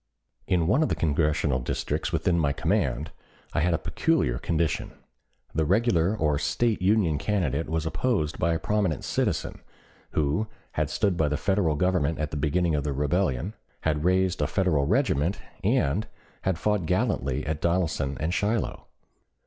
In one of the Congressional districts within my command I had a peculiar condition. The regular or State Union candidate was opposed by a prominent citizen, who had stood by the Federal Government at the beginning of the rebellion, had raised a Federal regiment, and had fought gallantly at Donelson and Shiloh.